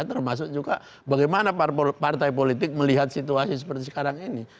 termasuk juga bagaimana partai politik melihat situasi seperti sekarang ini